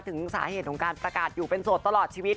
ถึงสาเหตุของการประกาศอยู่เป็นโสดตลอดชีวิต